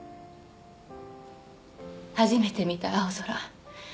初めて見た青空。